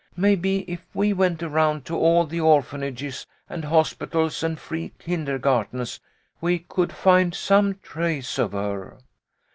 Maybe if we went around to all the orphanages and hospitals and free kinder gartens we could find some trace of her.